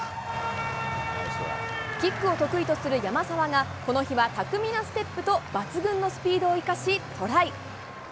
キックを得意とする山沢が、この日は巧みなステップと抜群のスピードを生かし、トライ。